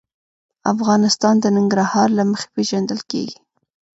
افغانستان د ننګرهار له مخې پېژندل کېږي.